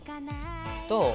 どう？